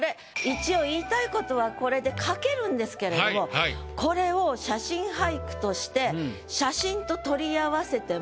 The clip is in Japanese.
一応言いたいことはこれで書けるんですけれどもこれを写真俳句として。